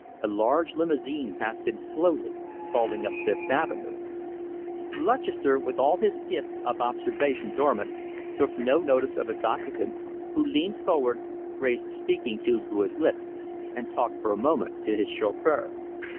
A large limousine passed him slowly, crawling up Fifth Avenue. Lutchester, with all his gifts of observation dormant, took no notice of its occupant, who leaned forward, raised the speaking tube to his lips, and talked for a moment to his chauffeur.